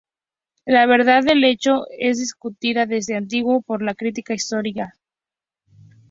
La verdad del hecho es discutida desde antiguo por la crítica histórica.